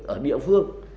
ở địa phương